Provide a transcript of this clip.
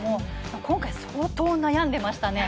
今回は相当悩んでいましたね。